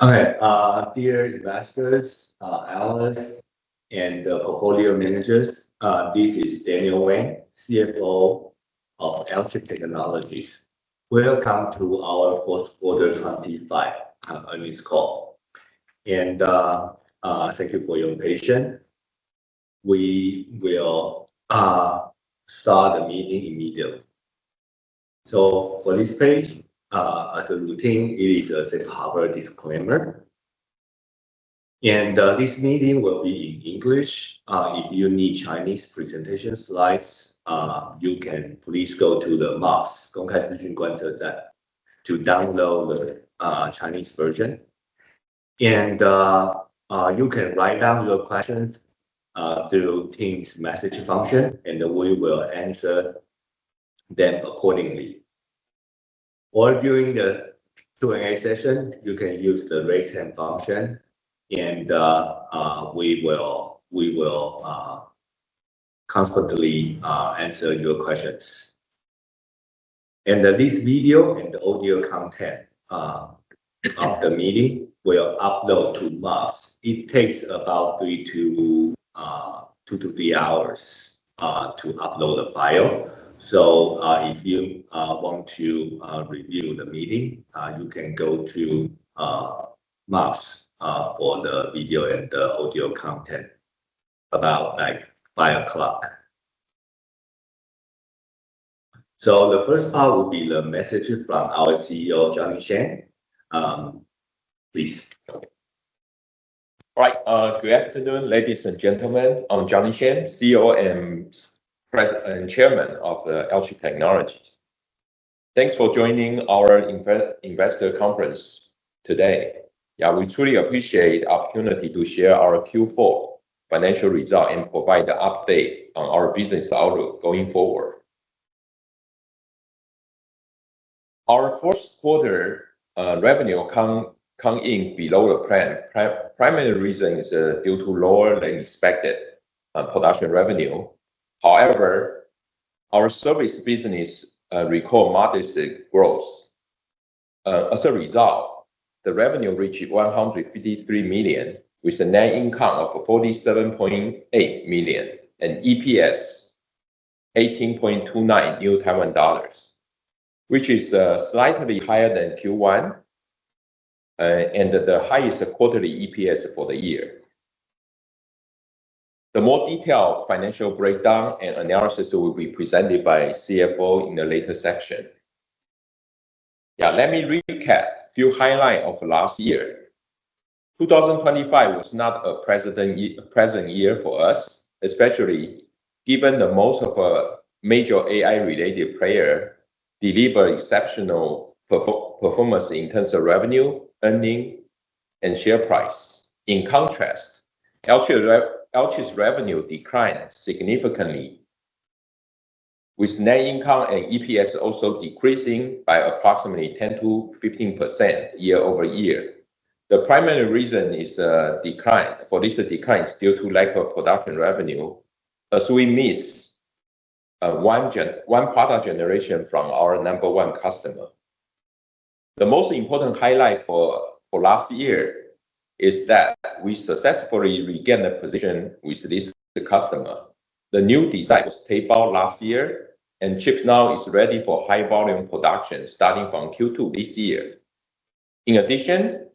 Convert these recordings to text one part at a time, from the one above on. Okay, dear investors, analysts, and the portfolio managers, this is Daniel Wang, CFO of Alchip Technologies. Welcome to our Q4 25 earnings call. Thank you for your patience. We will start the meeting immediately. For this stage, as a routine, it is a safe harbor disclaimer. This meeting will be in English. If you need Chinese presentation slides, you can please go to the MOPS to download the Chinese version. You can write down your questions through Teams message function, and we will answer them accordingly. During the Q&A session, you can use the raise hand function, we will constantly answer your questions. This video and audio content of the meeting will upload to MOPS. It takes about two to three hours to upload the file. If you want to review the meeting, you can go to MOPS for the video and the audio content about, like, five o'clock. The first part will be the message from our CEO, Johnny Shen. Please. Right. Good afternoon, ladies and gentlemen. I'm Johnny Shen, CEO and chairman of Alchip Technologies. Thanks for joining our investor conference today. We truly appreciate the opportunity to share our Q4 financial result and provide the update on our business outlook going forward. Our Q1 revenue come in below the plan. Primary reason is due to lower than expected production revenue. However, our service business record modest growth. As a result, the revenue reached $153 million with a net income of $47.8 million and EPS NT$18.29, which is slightly higher than Q1 and the highest quarterly EPS for the year. The more detailed financial breakdown and analysis will be presented by CFO in the later section. Now, let me recap few highlight of last year. 2025 was not a present year for us, especially given that most of our major AI-related player deliver exceptional performance in terms of revenue, earning, and share price. In contrast, Alchip's revenue declined significantly with net income and EPS also decreasing by approximately 10%-15% year-over-year. The primary reason is for this decline is due to lack of production revenue as we miss one product generation from our number one customer. The most important highlight for last year is that we successfully regain the position with this customer. The new design was taped out last year, and chip now is ready for high volume production starting from Q2 this year. In addition,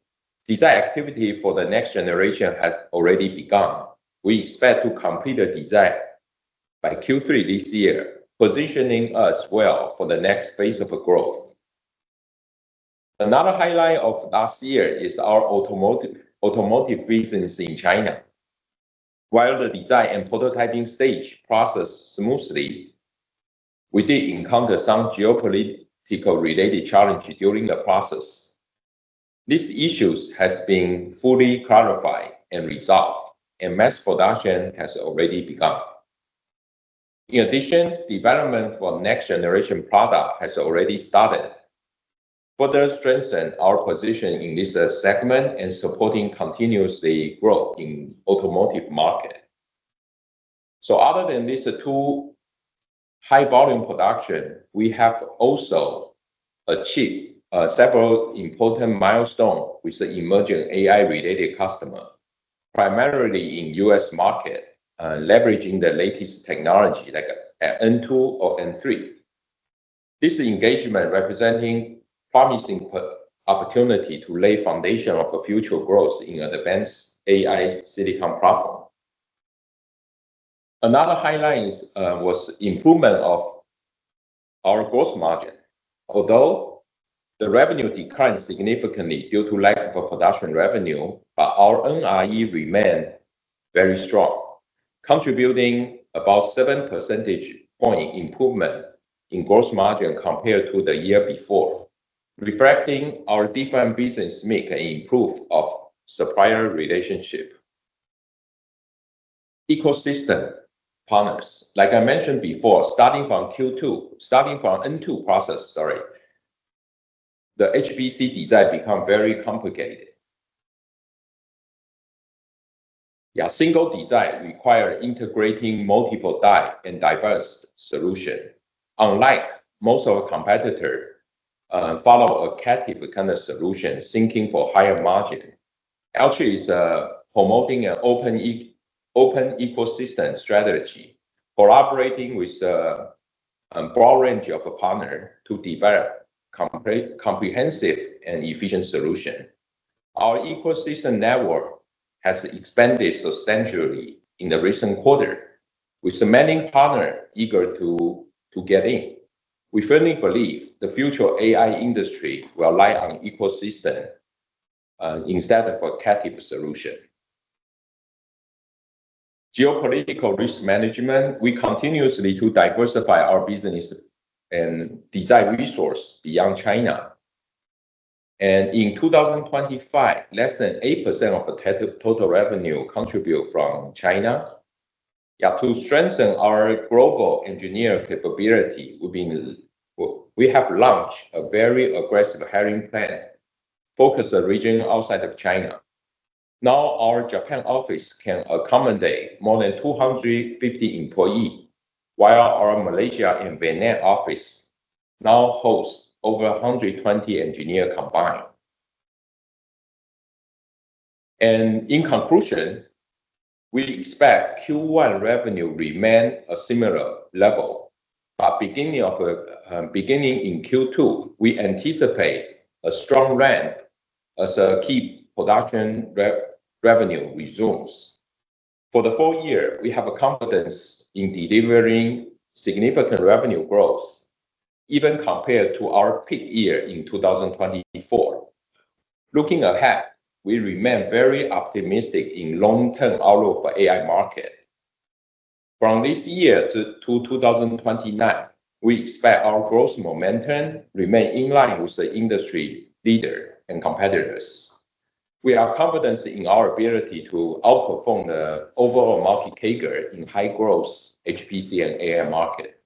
design activity for the next generation has already begun. We expect to complete the design by Q3 this year, positioning us well for the next phase of growth. Another highlight of last year is our automotive business in China. While the design and prototyping stage progressed smoothly, we did encounter some geopolitical-related challenge during the process. These issues has been fully clarified and resolved, and mass production has already begun. In addition, development for next generation product has already started, further strengthen our position in this segment and supporting continuously growth in automotive market. Other than these two high volume production, we have also achieved several important milestone with the emerging AI-related customer, primarily in U.S. market, leveraging the latest technology like N2 or N3. This engagement representing promising opportunity to lay foundation of future growth in advanced AI silicon platform. Another highlight is was improvement of our gross margin. The revenue declined significantly due to lack of production revenue, but our NRE remain very strong, contributing about 7 percentage points improvement in gross margin compared to the year before, reflecting our different business mix and improve of supplier relationship. Ecosystem partners. Like I mentioned before, starting from N2 process, sorry, the HPC design become very complicated. Yeah, single design require integrating multiple die and diverse solution. Unlike most of our competitor, follow a captive kind of solution, syncing for higher margin. Alchip is promoting an open ecosystem strategy, collaborating with a broad range of partner to develop comprehensive and efficient solution. Our ecosystem network has expanded substantially in the recent quarter with many partner eager to get in. We firmly believe the future AI industry will rely on ecosystem, instead of a captive solution. Geopolitical risk management, we continuously to diversify our business and design resource beyond China. In 2025, less than 8% of the total revenue contribute from China. Yeah, to strengthen our global engineer capability, we have launched a very aggressive hiring plan, focus the region outside of China. Now, our Japan office can accommodate more than 250 employee, while our Malaysia and Vietnam office now hosts over 120 engineer combined. In conclusion, we expect Q1 revenue remain a similar level. Beginning in Q2, we anticipate a strong ramp as a key production revenue resumes. For the full year, we have a confidence in delivering significant revenue growth, even compared to our peak year in 2024. Looking ahead, we remain very optimistic in long-term outlook for AI market. From this year to 2029, we expect our growth momentum remain in line with the industry leader and competitors. We are confidence in our ability to outperform the overall market CAGR in high growth HPC and AI market.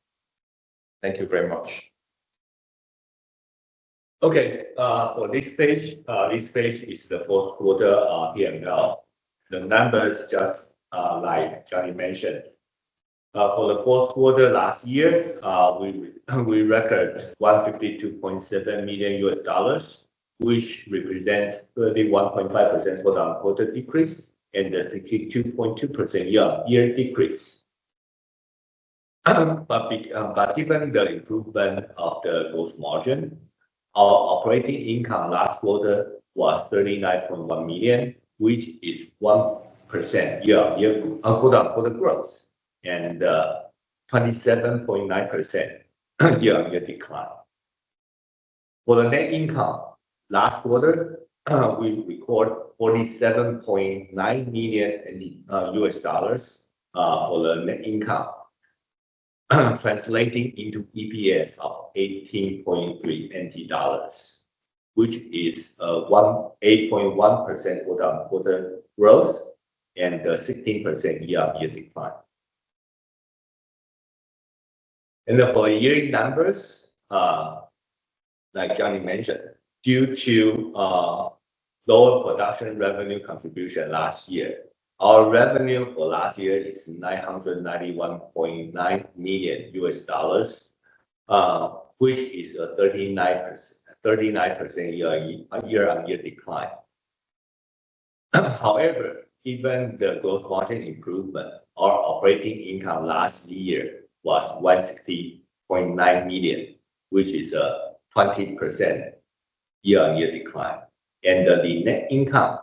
Thank you very much. Okay, for this page, this page is the Q4 PNL. The numbers just like Johnny mentioned. For the Q4 last year, we record $152.7 million, which represents 31.5% quarter-on-quarter decrease and a 32.2% year-on-year decrease. Given the improvement of the growth margin, our operating income last quarter was $39.1 million, which is 1% year-on-year, quarter-on-quarter growth and 27.9% year-on-year decline. For the net income, last quarter, we record $47.9 million for the net income, translating into EPS of NT$18.3, which is 8.1% quarter-on-quarter growth and 16% year-on-year decline. For yearly numbers, like Johnny mentioned, due to lower production revenue contribution last year, our revenue for last year is $991.9 million, which is a 39% year-on-year decline. However, given the gross margin improvement, our operating income last year was $160.9 million, which is a 20% year-on-year decline. The net income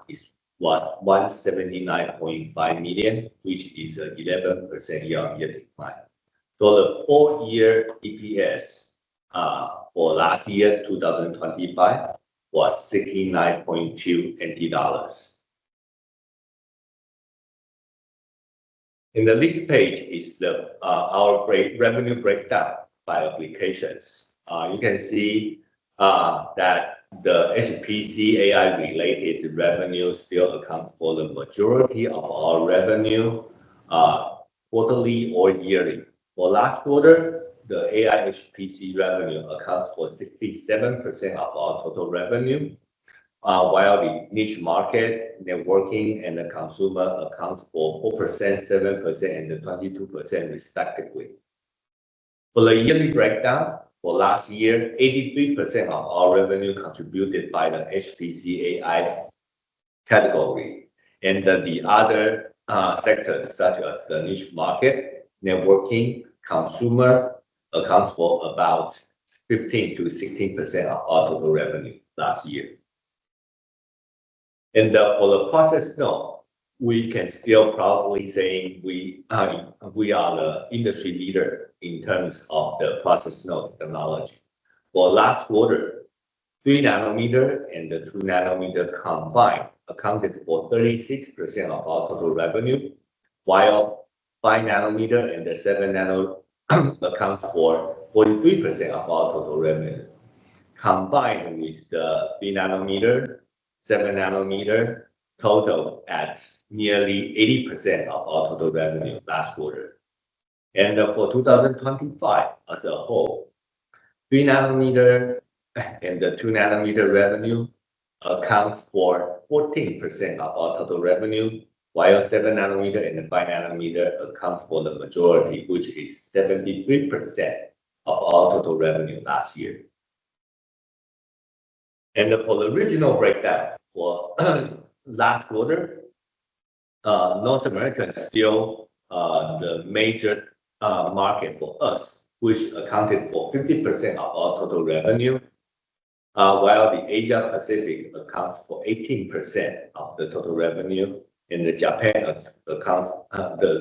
was $179.5 million, which is an 11% year-on-year decline. The full year EPS for last year, 2025, was NT$69.2. In the next page is the revenue breakdown by applications. You can see that the HPC/AI related revenue still accounts for the majority of our revenue, quarterly or yearly. Last quarter, the AI/HPC revenue accounts for 67% of our total revenue, while the niche market, networking, and the consumer accounts for 4%, 7%, and 22% respectively. The yearly breakdown, for last year, 83% of our revenue contributed by the HPC/AI category. The other sectors such as the niche market, networking, consumer, accounts for about 15%-16% of our total revenue last year. For the process node, we can still proudly say we are the industry leader in terms of the process node technology. Last quarter, 3-nanometer and the 2-nanometer combined accounted for 36% of our total revenue, while 5-nanometer and the 7-nano accounts for 43% of our total revenue. Combined with the 3-nanometer, 7-nanometer total at nearly 80% of our total revenue last quarter. For 2025 as a whole. 3-nanometer and the 2-nanometer revenue accounts for 14% of our total revenue, while 7-nanometer and 5-nanometer accounts for the majority, which is 73% of all total revenue last year. For the regional breakdown for last quarter, North America is still the major market for us, which accounted for 50% of our total revenue. While the Asia Pacific accounts for 18% of the total revenue, the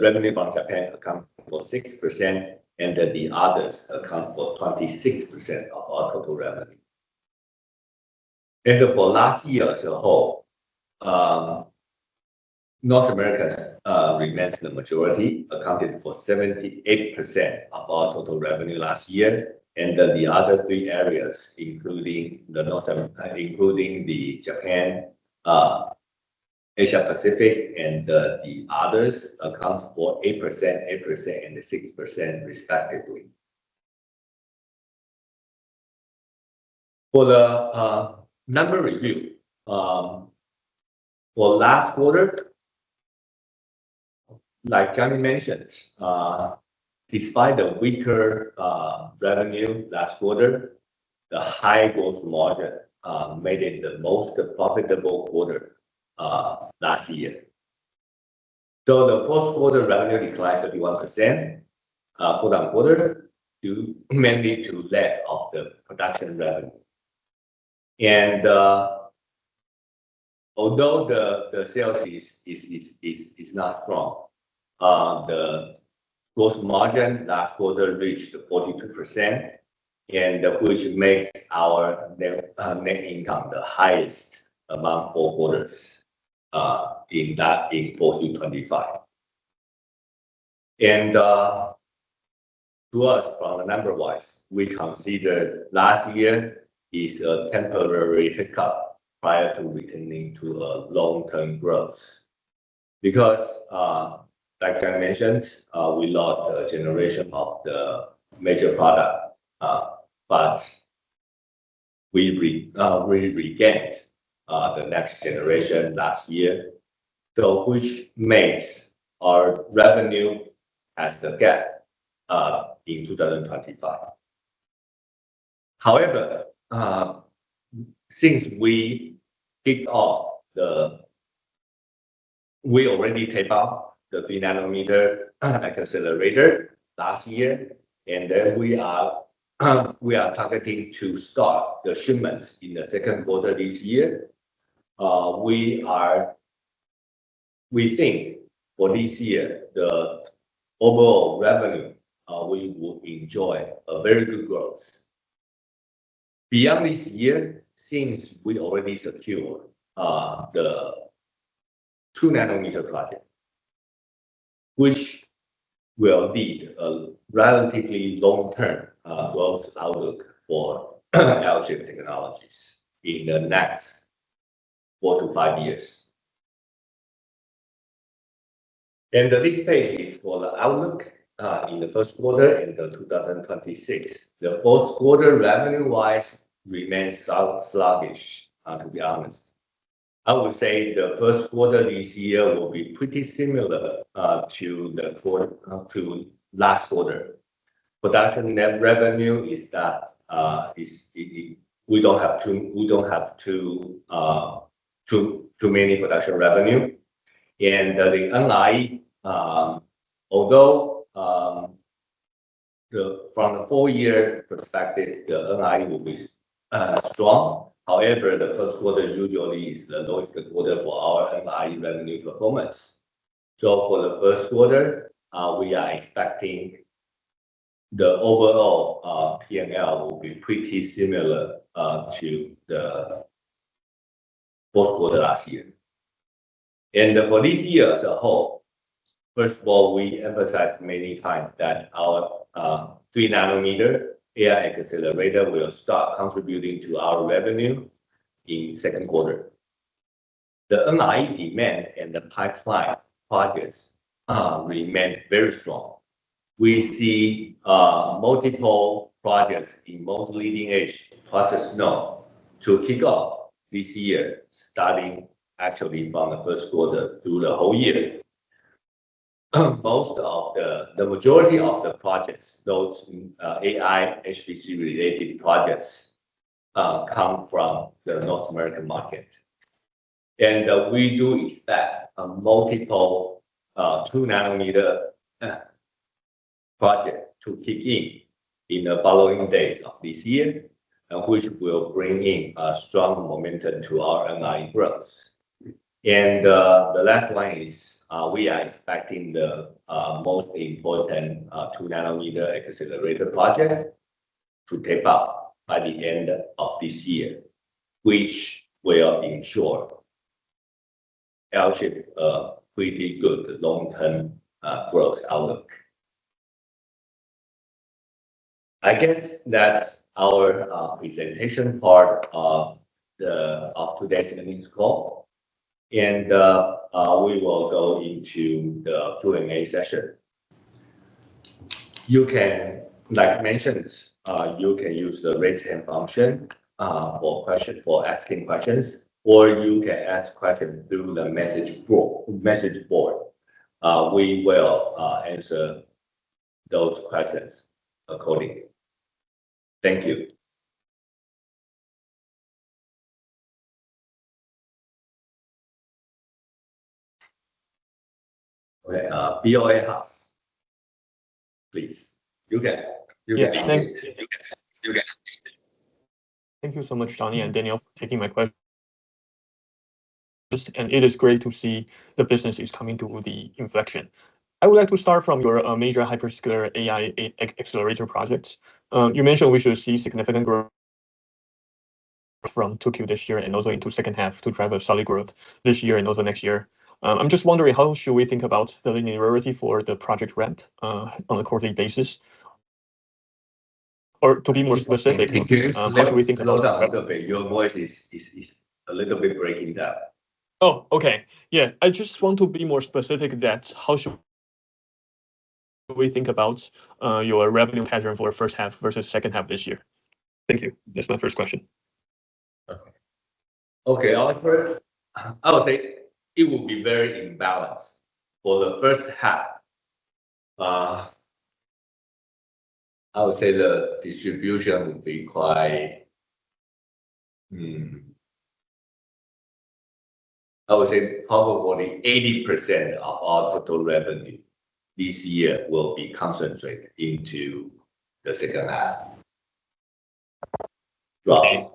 revenue from Japan account for 6%, the others account for 26% of our total revenue. For last year as a whole, North America remains the majority, accounting for 78% of our total revenue last year. The other three areas, including Japan, Asia Pacific and the others account for 8%, 8% and 6% respectively. For the number review, for last quarter, like Johnny mentioned, despite the weaker revenue last quarter, the high gross margin made it the most profitable quarter last year. The Q4 revenue declined 31% quarter-on-quarter, due mainly to lack of the production revenue. Although the sales is not strong, the gross margin last quarter reached 42%, which makes our net income the highest among all quarters in 2025. To us from a number wise, we consider last year is a temporary hiccup prior to returning to a long term growth. Because like I mentioned, we lost a generation of the major product, but we regained the next generation last year. Which makes our revenue has the gap in 2025. Since we kicked off the we already tape out the 3-nanometer accelerator last year, and then we are targeting to start the shipments in the Q2 this year. We think for this year, the overall revenue, we will enjoy a very good growth. Beyond this year, since we already secured the 2-nanometer project, which will lead a relatively long term growth outlook for Alchip Technologies in the next four to five years. This page is for the outlook in the Q1 in 2026. The Q4, revenue wise, remains sluggish, to be honest. I would say the Q1 this year will be pretty similar to last quarter. Production net revenue is that we don't have too many production revenue. The NRE, although from the full year perspective, the NRE will be strong. However, the Q1 usually is the lowest quarter for our NRE revenue performance. For the Q1, we are expecting the overall PNL will be pretty similar to the Q4 last year. For this year as a whole, first of all, we emphasized many times that our 3-nanometer AI accelerator will start contributing to our revenue in Q2. The NRE demand and the pipeline projects remained very strong. We see multiple projects in both leading edge process node to kick off this year, starting actually from the Q1 through the whole year. The majority of the projects, those AI HPC related projects, come from the North American market. We do expect multiple 2-nanometer project to kick in in the following days of this year, which will bring in strong momentum to our NRE growth. The last one is we are expecting the most important 2-nanometer accelerator project to tape out by the end of this year, which will ensure LSI a pretty good long-term growth outlook. I guess that's our presentation part of today's earnings call. We will go into the Q&A session. You can, like mentioned, you can use the raise hand function for question, for asking questions, or you can ask question through the message board. We will answer those questions accordingly. Thank you. Okay. Curtis Hass, please. You can. Yeah. You can unmute. Thank you so much, Johnny and Daniel, for taking my question. It is great to see the business is coming to the inflection. I would like to start from your major hyperscaler AI acceleration projects. You mentioned we should see significant growth from 2Q this year and also into second half to drive a solid growth this year and also next year. I'm just wondering how should we think about the linearity for the project ramp on a quarterly basis? Can you slow-... how should we think about? Slow down a little bit. Your voice is a little bit breaking down. Oh, okay. Yeah. I just want to be more specific that how should we think about your revenue pattern for first half versus second half this year? Thank you. That's my first question. Okay. Okay. I would say it will be very imbalanced for the first half. I would say the distribution will be quite, I would say probably 80% of our total revenue this year will be concentrated into the second half. Right?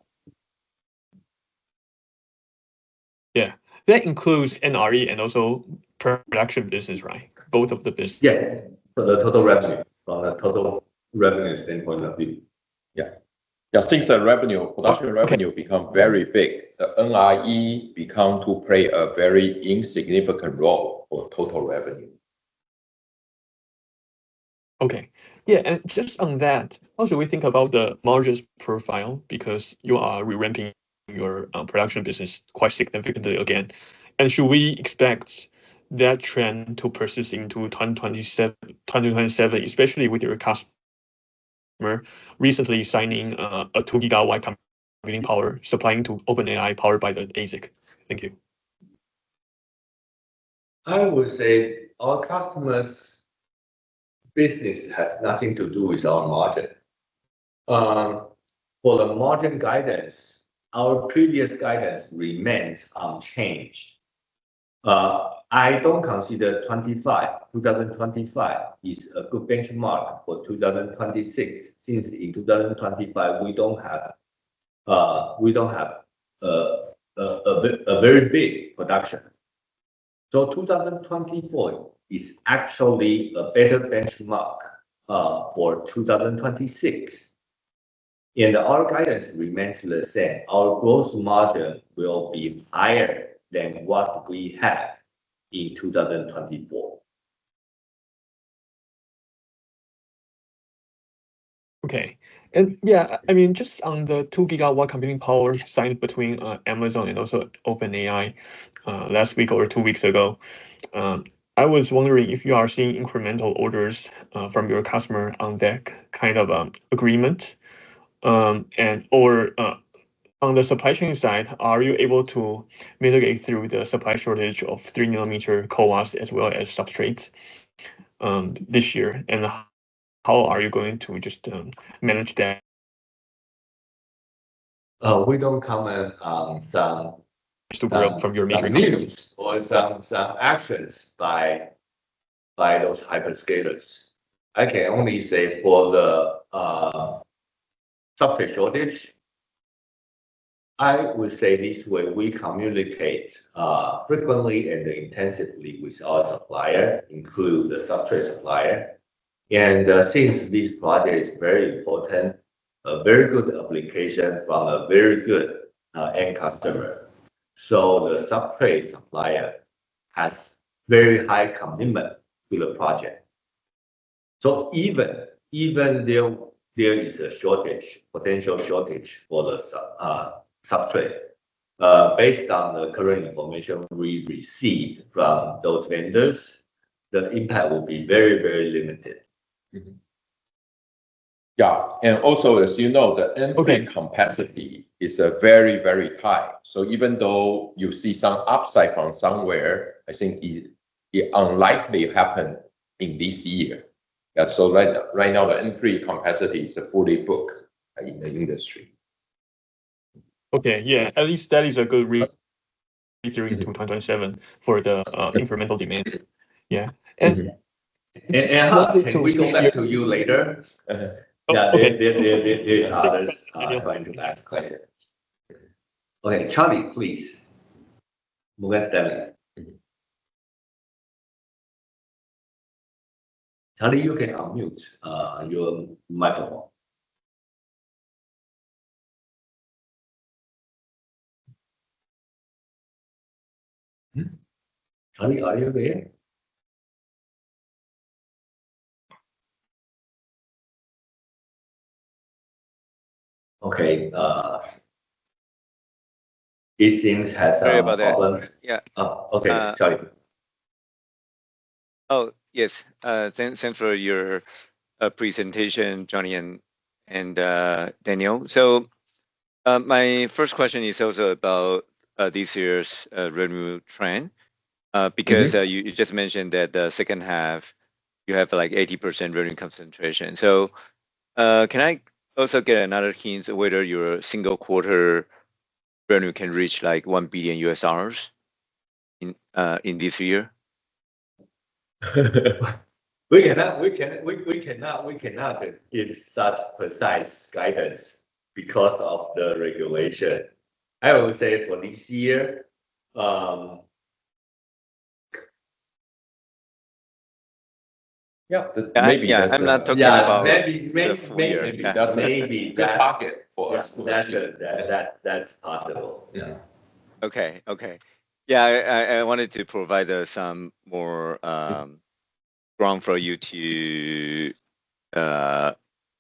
Yeah. That includes NRE and also production business, right? Both of the business. Yes. For the total revenue. From the total revenue standpoint of view. Yeah. Since the revenue, production revenue become very big, the NRE become to play a very insignificant role for total revenue. Okay. Yeah. Just on that, how should we think about the margins profile? Because you are re-ramping your production business quite significantly again. Should we expect that trend to persist into 27, 2027, especially with your customer recently signing a 2 gigawatt computing power supplying to OpenAI powered by the ASIC? Thank you. I would say our customers' business has nothing to do with our margin. For the margin guidance, our previous guidance remains unchanged. I don't consider 2025 is a good benchmark for 2026, since in 2025 we don't have a very big production. 2024 is actually a better benchmark for 2026. Our guidance remains the same. Our gross margin will be higher than what we have in 2024. Okay. Yeah, I mean, just on the 2 gigawatt computing power signed between Amazon and also OpenAI, last week or two weeks ago, I was wondering if you are seeing incremental orders from your customer on deck kind of agreement, or on the supply chain side, are you able to mitigate through the supply shortage of 3-nanometer CoWoS as well as substrates, this year? How are you going to just manage that? We don't comment on some. To grab from your meeting notes.... some news or some actions by those hyperscalers. I can only say for the subject shortage, I would say this way, we communicate frequently and intensively with our supplier, include the substrate supplier. Since this project is very important, a very good application from a very good end customer. The substrate supplier has very high commitment to the project. Even there is a shortage, potential shortage for the substrate, based on the current information we received from those vendors, the impact will be very limited. Mm-hmm. Yeah. Also, as you know, the N3 capacity is very, very high. Even though you see some upside from somewhere, I think it unlikely happen in this year. Yeah. Right now, the N3 capacity is fully booked in the industry. Okay. Yeah. At least that is a good reassuring to 2027 for the incremental demand. Yeah. Hass, can we go back to you later? Okay. Yeah. There's others going to ask later. Okay. Charlie, please. Charlie Chan. Charlie, you can unmute your microphone. Hmm? Charlie, are you there? Okay. these things has a problem- Sorry about that. Yeah. Oh, okay. Sorry. Oh, yes. thanks for your presentation, Johnny and Daniel. My first question is also about this year's revenue trend. Mm-hmm. Because you just mentioned that the second half you have, like, 80% revenue concentration. Can I also get another hints whether your single quarter revenue can reach, like, $1 billion in this year? We cannot give such precise guidance because of the regulation. I would say for this year. Yeah. Maybe that's. Yeah, I'm not talking. Yeah. Maybe. the full year. Maybe that's a good pocket for us. Yeah, that's possible. Yeah. Okay. Okay. Yeah. I wanted to provide some more room for you to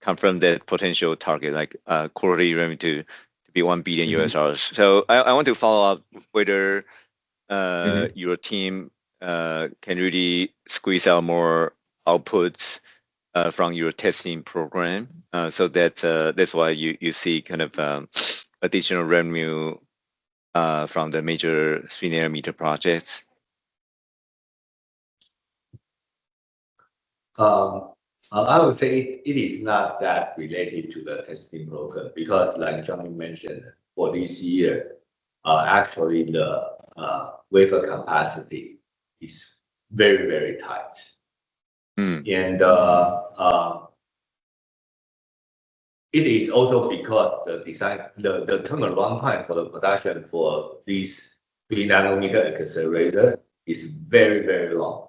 confirm the potential target, like, quarterly revenue to be $1 billion. I want to follow up whether. Mm-hmm... your team can really squeeze out more outputs from your testing program. That's why you see kind of additional revenue from the major 3-nanometer projects. I would say it is not that related to the testing program because like Johnny mentioned, for this year, actually the wafer capacity is very, very tight. Mm. It is also because the turn around time for the production for this 3-nanometer accelerator is very, very long.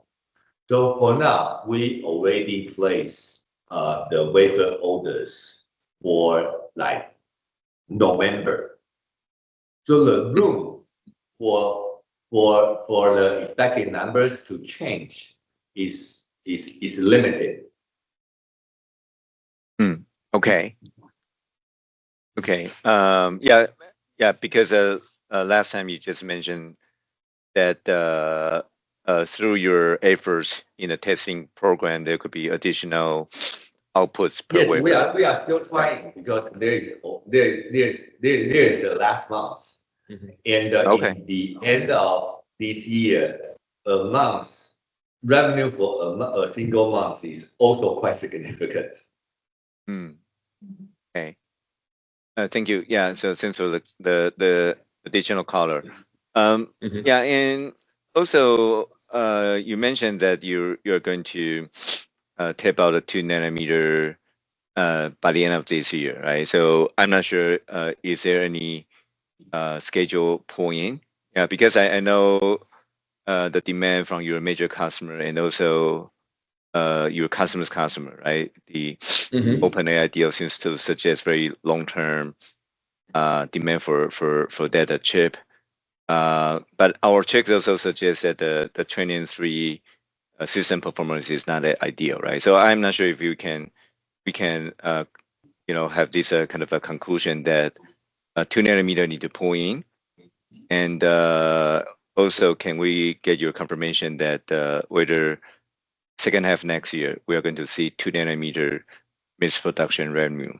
For now, we already place the wafer orders for, like, November. The room for the expected numbers to change is limited. Okay. Yeah, because last time you just mentioned that, through your efforts in the testing program, there could be additional outputs per wafer. Yes. We are still trying because there is last month. Mm-hmm. Okay. In the end of this year, revenue for a single month is also quite significant. Okay. Thank you. Yeah. Thanks for the, the additional color. Mm-hmm. Yeah. You mentioned that you're going to tape out a 2-nanometer by the end of this year, right? I'm not sure, is there any schedule pull-in? I know the demand from your major customer and also your customer's customer, right? Mm-hmm... OpenAI deal seems to suggest very long-term demand for data chip. Our checks also suggest that the 2023 system performance is not that ideal, right? I'm not sure if you can, we can, you know, have this kind of a conclusion that 2-nanometer need to pull in. Also, can we get your confirmation that whether second half next year, we are going to see 2-nanometer mixed production revenue?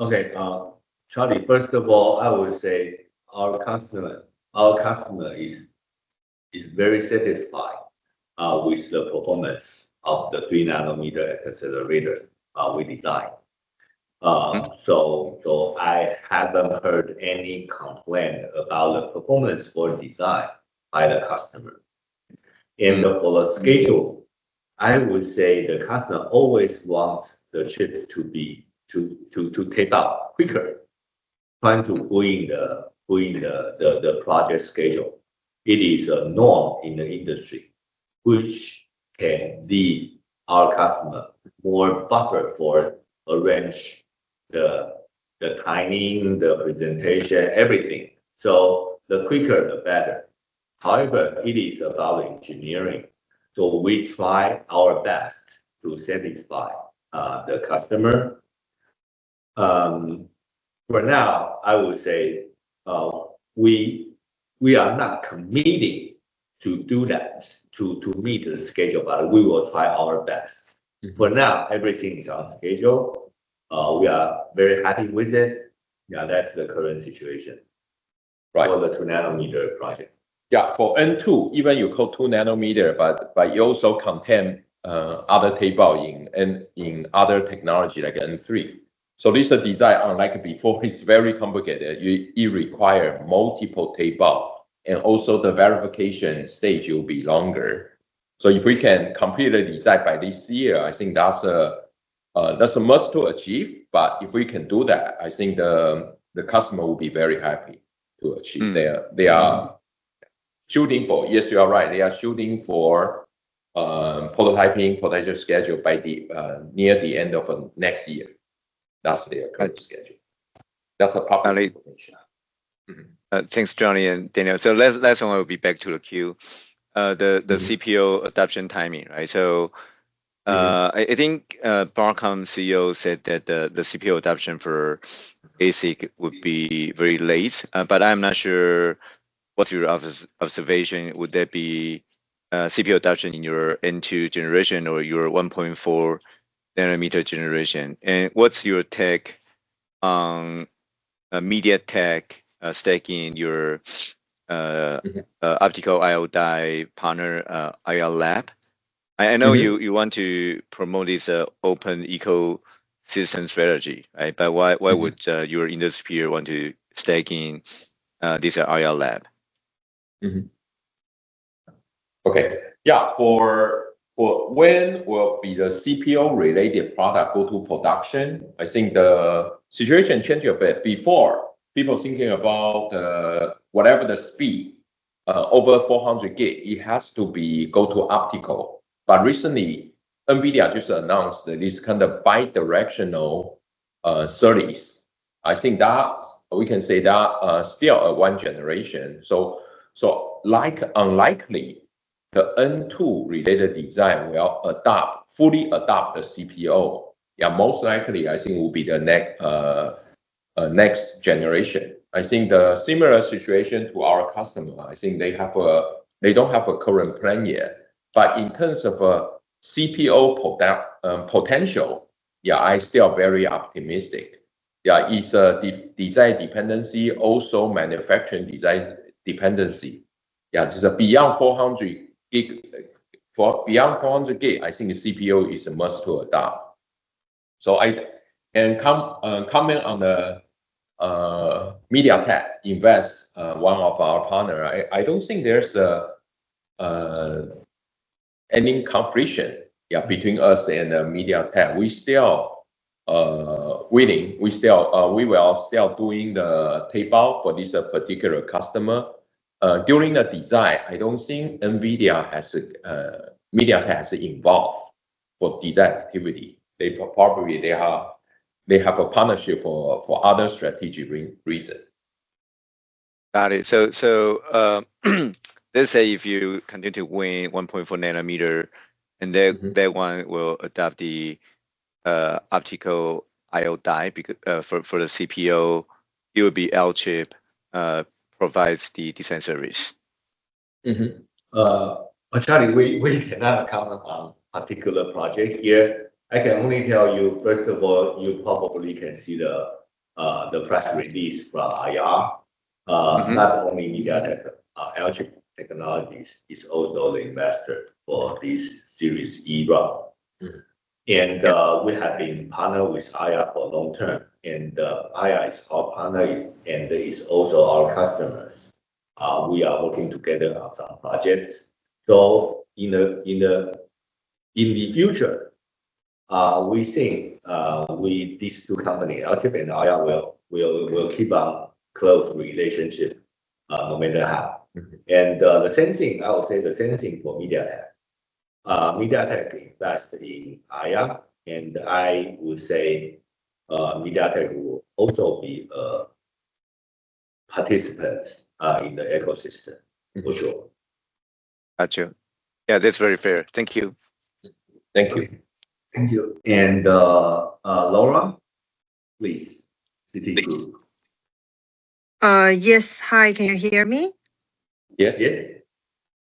Okay. Charlie, first of all, I would say our customer is very satisfied with the performance of the 3-nanometer accelerator we designed. I haven't heard any complaint about the performance or design by the customer. For the schedule, I would say the customer always wants the chip to tape out quicker, trying to pull in the project schedule. It is a norm in the industry, which can give our customer more buffer for arrange the timing, the presentation, everything. The quicker, the better. However, it is about engineering, so we try our best to satisfy the customer. For now, I would say we are not committing to do that, to meet the schedule, but we will try our best. Mm. For now, everything is on schedule. we are very happy with it. Yeah, that's the current situation-. Right... for the 2-nanometer project. Yeah. For N2, even you call 2-nanometer, but you also contain other tape out in other technology like N3. This design, unlike before, it's very complicated. You require multiple tape out, and also the verification stage will be longer. If we can complete the design by this year, I think that's a must to achieve, but if we can do that, I think the customer will be very happy to achieve. Mm. They are shooting for. Yes, you are right. They are shooting for prototyping production schedule by the near the end of next year. That's their current schedule. That's a proper information. Thanks, Johnny and Daniel. Last one will be back to the queue. The CPO adoption timing, right? I think Broadcom CEO said that the CPO adoption for ASIC would be very late, but I'm not sure what's your observation. Would that be CPO adoption in your N2 generation or your 1.4-nanometer generation? What's your take on MediaTek staking your optical I/O die partner, Ayar Labs? I know you want to promote this open ecosystem strategy, right? Why would your industry peer want to stake in this Ayar Labs? Mm-hmm. Okay. Yeah. For when will be the CPO related product go to production, I think the situation changed a bit. Before, people thinking about whatever the speed over 400 gig, it has to be go to optical. Recently, NVIDIA just announced that this kind of bi-directional SerDes. We can say that still one generation. Like unlikely the N2 related design will adopt, fully adopt a CPO. Yeah, most likely I think will be the next next generation. I think the similar situation to our customer, I think they don't have a current plan yet. In terms of CPO potential, yeah, I still very optimistic. Yeah, it's a de-design dependency, also manufacturing design dependency. Yeah, this is beyond 400 gig. For beyond 400 gig, I think CPO is a must to adopt. Comment on the MediaTek invest, one of our partner, I don't think there's any competition between us and MediaTek. We still winning. We still we will still doing the tape-out for this particular customer. During the design, I don't think MediaTek has involved for design activity. Probably they have a partnership for other strategic reason. Got it. Let's say if you continue to win 1.4-nanometer, and then that one will adopt the optical I/O die for the CPO, it would be Alchip provides the design service. Charlie, we cannot comment on particular project here. I can only tell you, first of all, you probably can see the press release from Ayar Labs. Not only MediaTek, Alchip Technologies is also the investor for this Series E round. We have been partner with Ayar Labs for long term, and Ayar Labs is our partner and is also our customers. We are working together on some projects. In the future, we think these two company, Alchip and Ayar Labs will keep a close relationship, no matter how. The same thing, I will say the same thing for MediaTek. MediaTek invest in Ayar Labs, and I would say MediaTek will also be a participant in the ecosystem for sure. Got you. Yeah, that's very fair. Thank you. Thank you. Thank you. Laura, please. Citigroup. Yes. Hi, can you hear me? Yes. Yeah.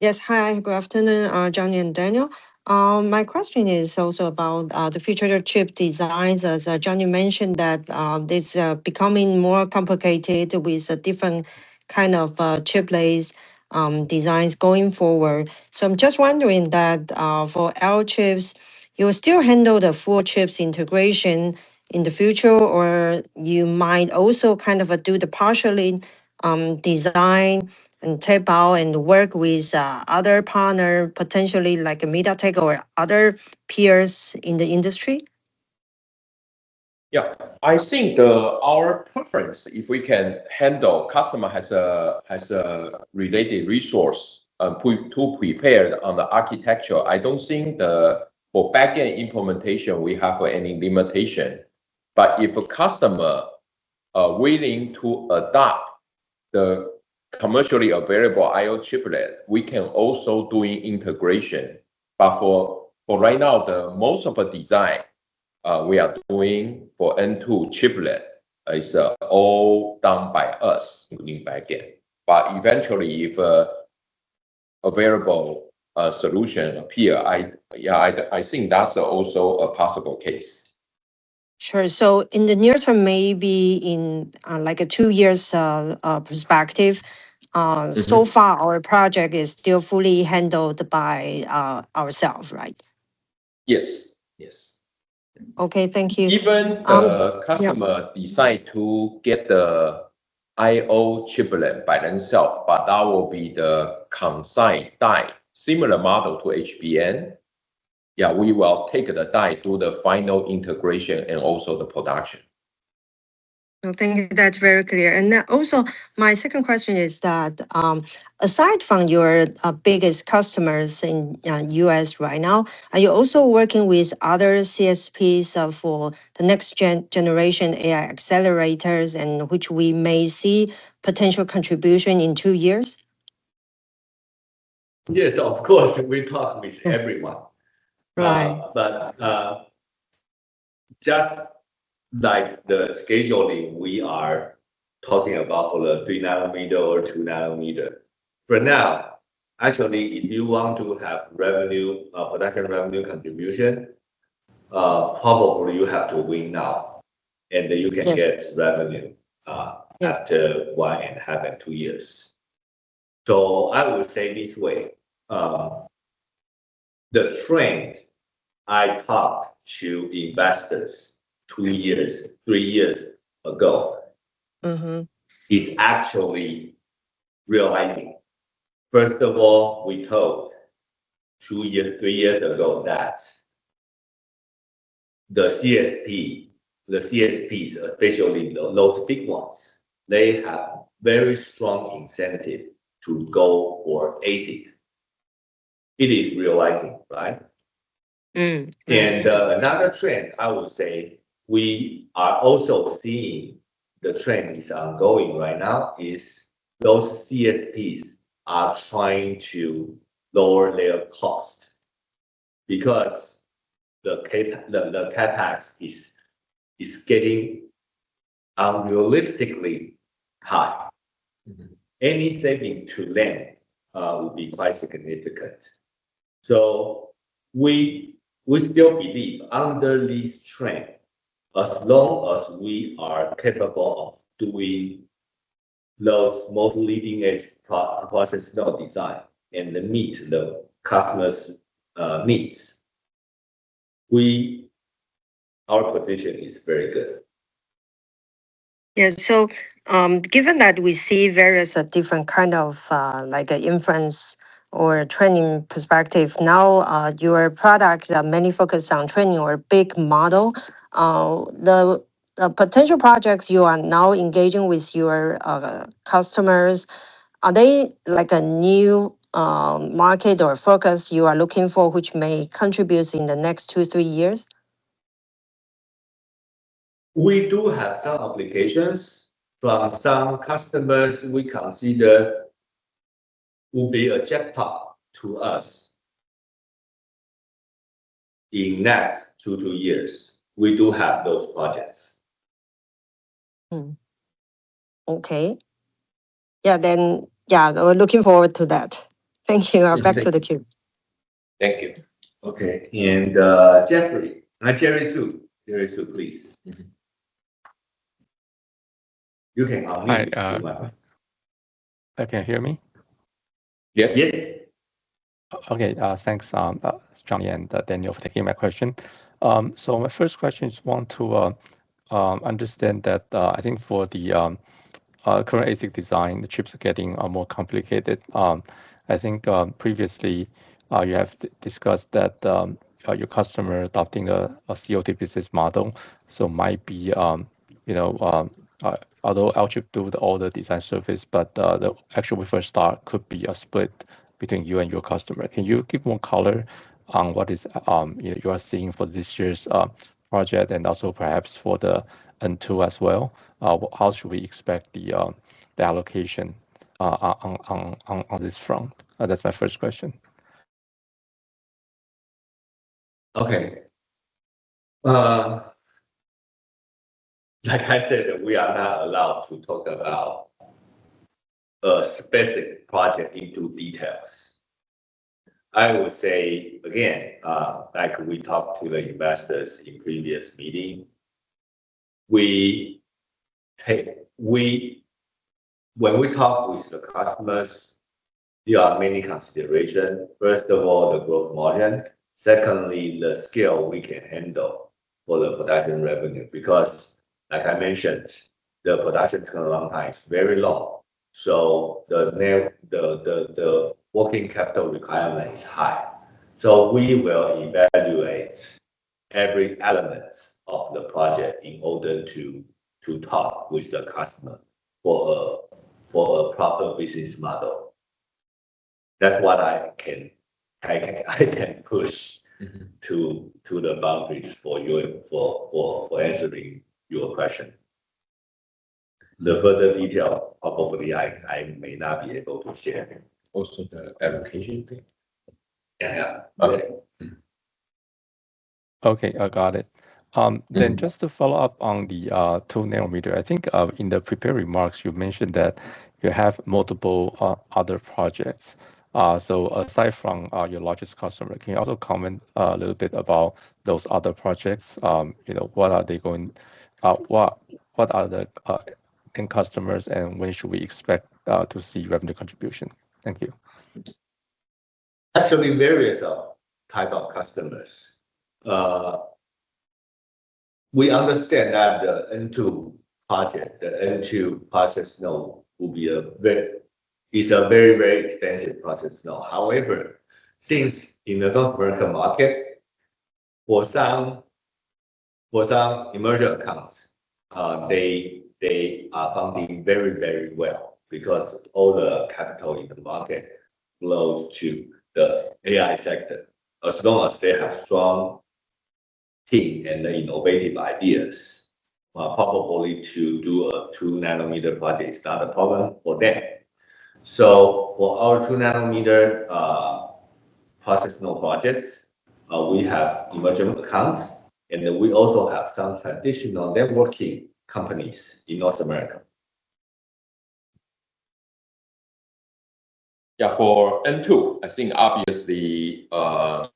Yes. Hi, good afternoon, Johnny and Daniel. My question is also about the future chip designs. As Johnny mentioned that this becoming more complicated with the different kind of chiplets designs going forward. I'm just wondering that for Alchip, you will still handle the full chips integration in the future, or you might also kind of do the partially design and tape-out and work with other partner, potentially like MediaTek or other peers in the industry? I think our preference, if we can handle customer has a related resource to prepare on the architecture, I don't think for back-end implementation, we have any limitation. If a customer are willing to adopt the commercially available I/O chiplet, we can also do integration. For right now, the most of the design we are doing for N2 chiplet is all done by us, including back-end. Eventually, if a available solution appear, I think that's also a possible case. Sure. In the near term, maybe in, like a two years, perspective, so far our project is still fully handled by ourselves, right? Yes. Yes. Okay. Thank you. Even the customer decide to get the I/O chiplet by themself, that will be the consigned die, similar model to HBM. Yeah, we will take the die, do the final integration, and also the production. Thank you. That's very clear. Also, my second question is that, aside from your biggest customers in U.S. right now, are you also working with other CSPs for the next generation AI accelerators and which we may see potential contribution in two years? Yes, of course, we talk with everyone. Right. Just like the scheduling we are talking about for the 3-nanometer or 2-nanometer, for now, actually, if you want to have revenue, production revenue contribution, probably you have to win now. Yes. get revenue Yes. after Y and a half and two years. I would say this way, the trend I talked to investors two years, three years ago... Mm-hmm. Is actually realizing. First of all, we told two years, three years ago that the CSP, the CSPs, especially those big ones, they have very strong incentive to go for ASIC. It is realizing, right? Mm-hmm. Another trend I would say we are also seeing the trend is ongoing right now is those CSPs are trying to lower their cost because the CapEx is getting realistically high. Mm-hmm. Any saving to them, would be quite significant. We still believe under this trend, as long as we are capable of doing those most leading-edge process node design and then meet the customer's needs, our position is very good. Yeah. Given that we see various, different kind of, like a inference or training perspective, now, your products are mainly focused on training or big model. The potential projects you are now engaging with your customers, are they like a new market or focus you are looking for, which may contributes in the next two to three years? We do have some applications from some customers we consider will be a jackpot to us in next two years. We do have those projects. Okay. Yeah. Yeah, we're looking forward to that. Thank you. Thank you. Back to the queue. Thank you. Okay. Jeffrey. Joey Xu. Joey Xu, please. You can unmute your mic. Hi. Can you hear me? Yes. Yes. Okay. Thanks, Johnny and Daniel for taking my question. My first question is want to understand that I think for the current ASIC design, the chips are getting more complicated. I think previously, you have discussed that your customer adopting a COT business model, might be, you know, although Alchip do all the design surface, but the actual first start could be a split between you and your customer. Can you give more color on what is you are seeing for this year's project and also perhaps for the N2 as well? How should we expect the allocation on this front? That's my first question. Okay. Like I said, we are not allowed to talk about a specific project into details. I would say again, like we talked to the investors in previous meeting, we when we talk with the customers, there are many consideration. First of all, the growth margin. Secondly, the scale we can handle for the production revenue because, like I mentioned, the production turn around time is very long, so the working capital requirement is high. We will evaluate every elements of the project in order to talk with the customer for a proper business model. That's what I can push to the boundaries for you for answering your question. The further detail, hopefully I may not be able to share. Also the allocation thing? Yeah. Okay. Mm-hmm. Okay. I got it. Just to follow up on the 2-nanometer, I think in the prepared remarks, you mentioned that you have multiple other projects. Aside from your largest customer, can you also comment a little bit about those other projects? You know, what are they going, what are the end customers, and when should we expect to see revenue contribution? Thank you. Actually various type of customers. We understand that the N2 project, the N2 process node will be a very, very extensive process node. Since in the non-volatile market, for some emerging accounts, they are funding very, very well because all the capital in the market flows to the AI sector. As long as they have strong team and the innovative ideas, probably to do a 2-nanometer project is not a problem for them. For our 2-nanometer process node projects, we have emerging accounts, and then we also have some traditional networking companies in North America. For N2, I think obviously, the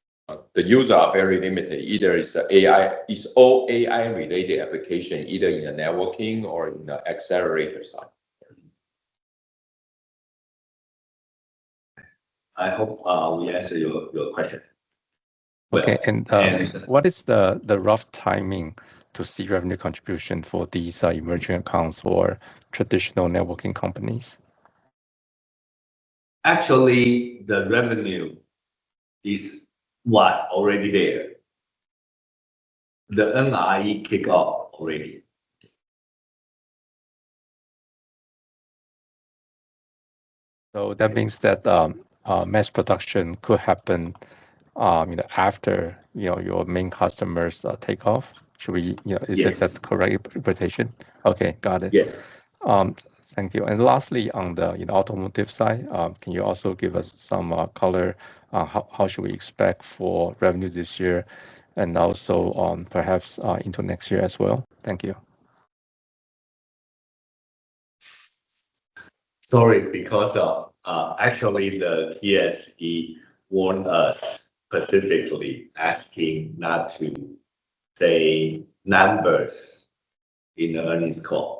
user are very limited. Either it's AI. It's all AI-related application, either in the networking or in the accelerator side. I hope we answered your question. Okay. What is the rough timing to see revenue contribution for these emerging accounts for traditional networking companies? Actually, the revenue was already there. The NRE kick off already. That means that mass production could happen, you know, after, you know, your main customers take off. Yes. Is that the correct interpretation? Okay. Got it. Yes. Thank you. Lastly, on the, you know, automotive side, can you also give us some color, how should we expect for revenue this year and also, perhaps, into next year as well? Thank you. Sorry, because, actually the TSE warned us specifically asking not to say numbers in the earnings call.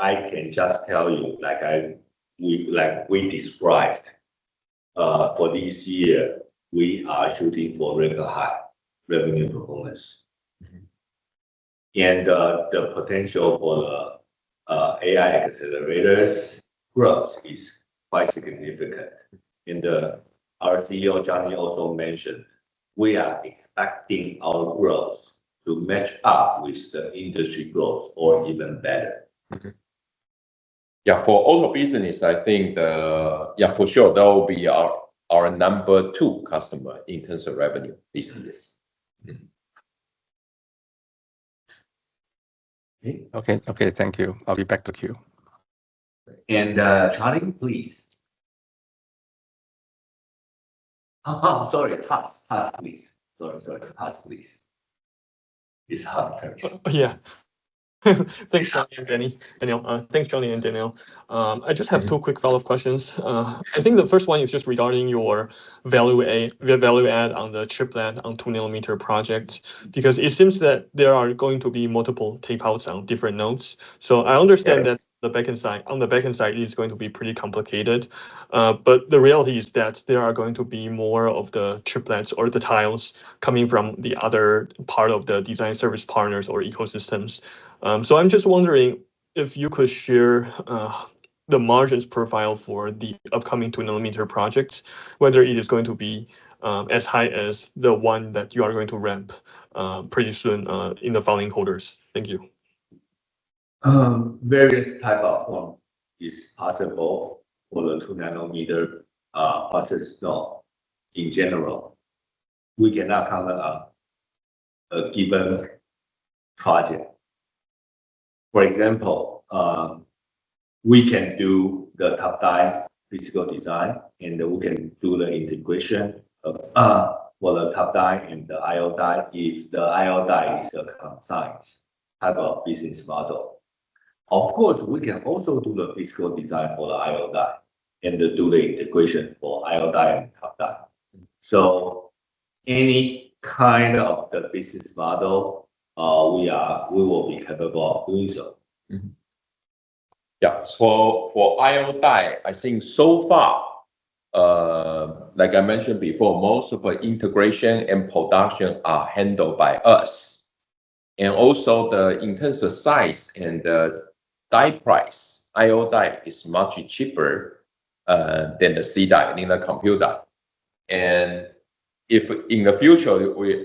I can just tell you, Like we described, for this year, we are shooting for record high revenue performance. The potential for AI accelerators growth is quite significant. Our CEO, Johnny, also mentioned we are expecting our growth to match up with the industry growth or even better. Okay. Yeah. For auto business, I think, yeah, for sure, that will be our number two customer in terms of revenue this year. Okay. Okay, thank you. I'll be back to queue. Charlie, please. Oh, sorry. Hass, please. Sorry. Hass, please. It's Hass Curtis. Yeah. Thanks, Johnny and Danny. Daniel. Thanks, Johnny and Daniel. I just have two quick follow-up questions. I think the first one is just regarding your value add on the chiplet on 2-nanometer project. It seems that there are going to be multiple tape-outs on different nodes. I understand that- Yes. On the backend side, it is going to be pretty complicated. The reality is that there are going to be more of the chiplets or the tiles coming from the other part of the design service partners or ecosystems. I'm just wondering if you could share the margins profile for the upcoming 2-nanometer project, whether it is going to be as high as the one that you are going to ramp pretty soon in the following quarters. Thank you. Various type of one is possible for the 2-nanometer process node. In general, we cannot cover a given project. For example, we can do the top die physical design, and we can do the integration for the top die and the I/O die if the I/O die is a consignment type of business model. Of course, we can also do the physical design for the I/O die and do the integration for I/O die and top die. Any kind of the business model, we will be capable of doing so. Mm-hmm. Yeah. For IO die, I think so far, like I mentioned before, most of the integration and production are handled by us. Also, in terms of size and the die price, IO die is much cheaper than the C-die, you know, the computer. If in the future we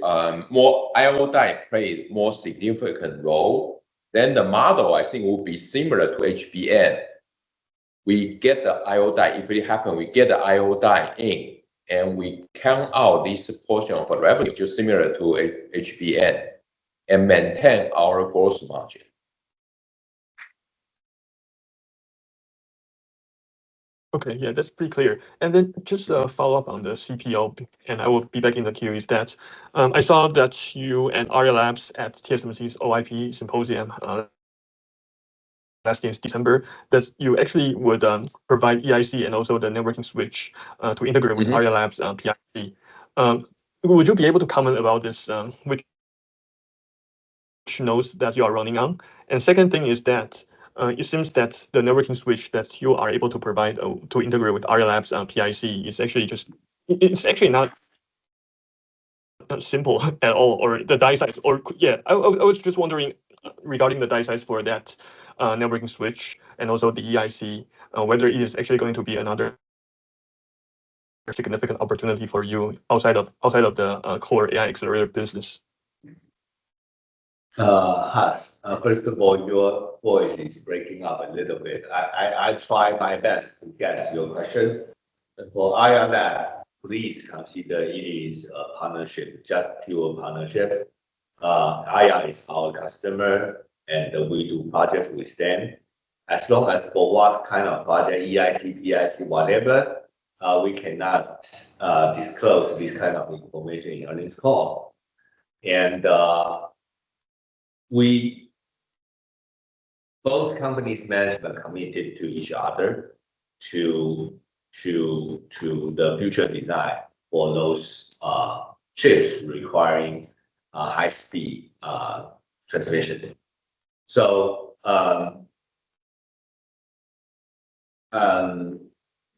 more IO die play more significant role, then the model, I think, will be similar to HBM. We get the IO die, if it happen, we get the IO die in, and we count out this portion of the revenue similar to HBM and maintain our gross margin. Okay. Yeah, that's pretty clear. Just a follow-up on the CPO, I will be back in the queue with that. I saw that you and Ayar Labs at TSMC's OIP symposium last December, that you actually would provide EIC and also the networking switch. Mm-hmm. With Ayar Labs, PIC. Would you be able to comment about this, which nodes that you are running on? Second thing is that, it seems that the networking switch that you are able to provide, to integrate with Ayar Labs, PIC is actually not simple at all, or the die size or... Yeah. I was just wondering regarding the die size for that, networking switch and also the EIC, whether it is actually going to be another significant opportunity for you outside of the core AI accelerator business. Huss, first of all, your voice is breaking up a little bit. I try my best to guess your question. For Ayar Labs, please consider it is a partnership, just pure partnership. Ayar is our customer, and we do projects with them. As long as for what kind of project, EIC, PIC, whatever, we cannot disclose this kind of information in earnings call. Both companies management committed to each other to the future design for those chips requiring high speed transmission.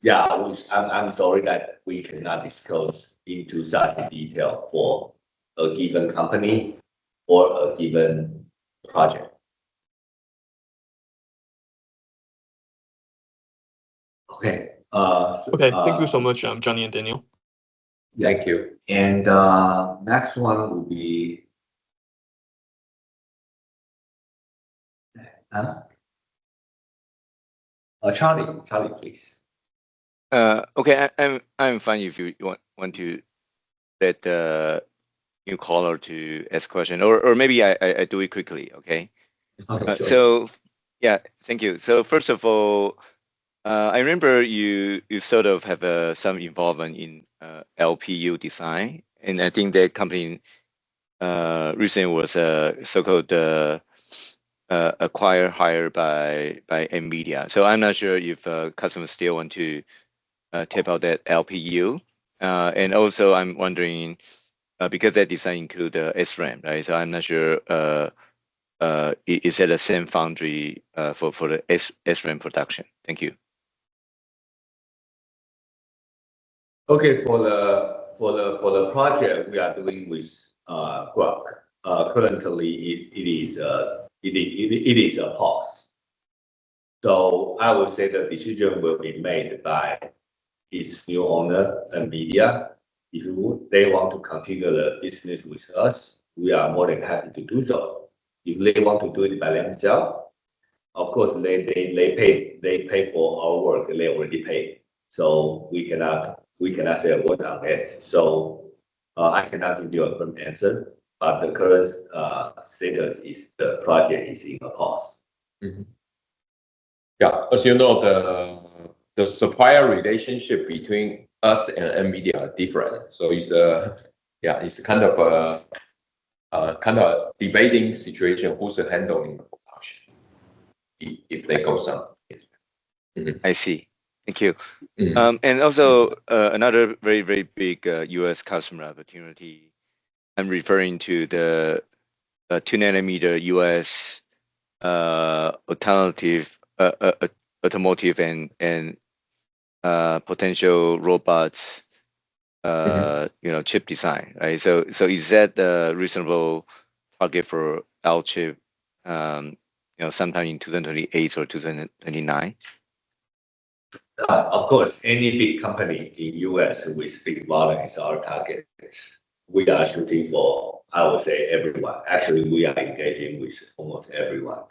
Yeah, I'm sorry that we cannot disclose into such detail for a given company or a given project. Okay. Okay. Thank you so much, Johnny and Daniel. Thank you. Next one will be Charlie. Charlie, please. Okay. I'm fine if you want to let new caller to ask question or maybe I do it quickly, okay? Okay, sure. Yeah. Thank you. First of all, I remember you sort of have some involvement in LPU design, and I think that company recently was so-called acquired higher by NVIDIA. I'm not sure if customers still want to tap out that LPU. I'm wondering because that design include the SRAM, right? I'm not sure, is it the same foundry for the SRAM production? Thank you. Okay. For the project we are doing with Quark, currently it is on pause. I would say the decision will be made by its new owner, NVIDIA. If they want to continue the business with us, we are more than happy to do so. If they want to do it by themselves, of course, they paid for our work. They already paid, so we cannot say what happens. I cannot give you a firm answer, but the current status is the project is in a pause. Mm-hmm. Yeah. As you know, the supplier relationship between us and NVIDIA are different. It's, yeah, it's kind of debating situation who's handling the production if they go some place. I see. Thank you. Mm-hmm. Also, another very, very big U.S. customer opportunity, I'm referring to the 2-nanometer U.S. alternative, automotive and potential robots. Mm-hmm... you know, chip design, right? Is that the reasonable target for Alchip, you know, sometime in 2028 or 2029? Of course, any big company in U.S. with big volume is our target. We are shooting for, I would say, everyone. Actually, we are engaging with almost everyone